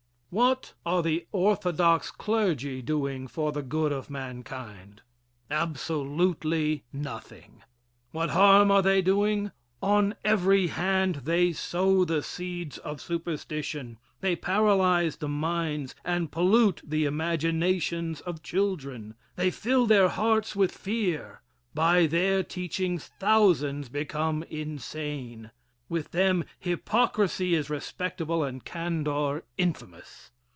What are the Orthodox Clergy Doing for the Good of Mankind? Absolutely nothing. What harm are they doing? On every hand they sow the seeds of superstition. They paralyze the minds, and pollute the imaginations of children. They fill their hearts with fear. By their teachings, thousands become insane. With them, hypocrisy is respectable and candor infamous.